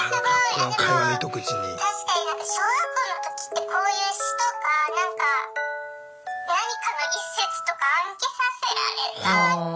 あでも確かに小学校の時ってこういう詩とか何かの一節とか暗記させられた。